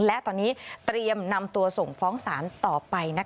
และตอนนี้เตรียมนำตัวส่งฟ้องศาลต่อไป